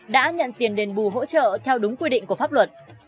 đã nhận tiền đền bù hỗ trợ theo đúng quy định của pháp luật